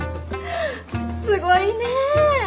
すごいねえ！